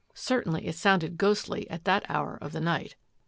Certainly it sounded ghostly at that hour of the night.